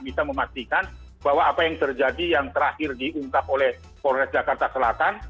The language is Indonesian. bisa memastikan bahwa apa yang terjadi yang terakhir diungkap oleh polres jakarta selatan